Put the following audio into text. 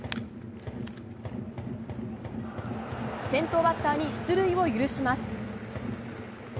先頭バッターに出塁を許します。